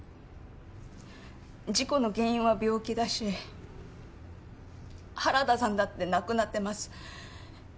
事故の原因は病気だし原田さんだって亡くなってます